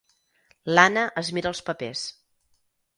L'Anna es mira els papers.